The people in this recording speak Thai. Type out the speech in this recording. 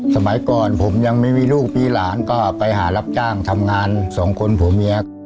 สมัยก่อนผมยังไม่มีลูกมีหลานก็ไปหารับจ้างทำงานสองคนผัวเมีย